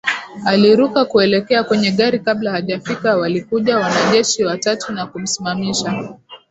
Aliruka kuelekea kwenya gari kabla hajafika walikuja wanajeshi watatu na kumsimamisha